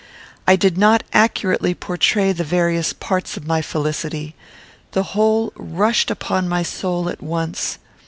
I did not accurately portray the various parts of my felicity. The whole rushed upon my soul at once.